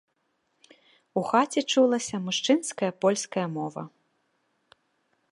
У хаце чулася мужчынская польская мова.